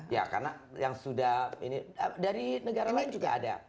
ya karena yang sudah ini dari negara lain juga ada